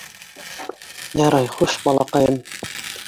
Ярай, хуш, балаҡайым.